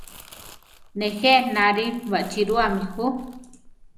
Nejé nari baʼchirúami ju.